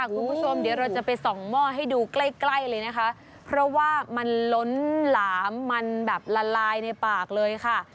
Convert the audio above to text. คุณผู้ชมเดี๋ยวเราจะไปส่องหม้อให้ดูใกล้ใกล้เลยนะคะเพราะว่ามันล้นหลามมันแบบละลายในปากเลยค่ะ